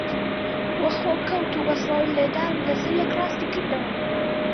وە خۆ کەوت و بە سەوڵ لێدان و لەسەر یەک ڕاستی کردەوە